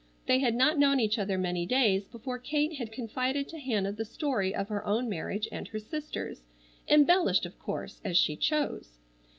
They had not known each other many days before Kate had confided to Hannah the story of her own marriage and her sister's, embellished of course as she chose.